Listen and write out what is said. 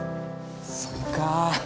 そうか。